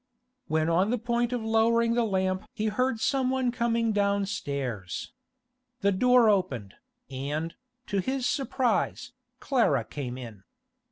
When on the point of lowering the lamp he heard someone coming downstairs. The door opened, and, to his surprise, Clara came in.